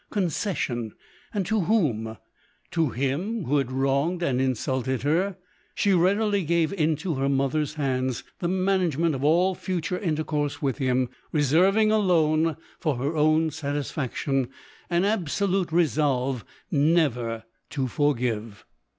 Conces sion ! and to whom ? To him who had wronged and insulted her ? She readily gave into her mother's hands the management of all future intercourse with him, reserving alone, for her own satisfaction, an absolute resolve never to forgive.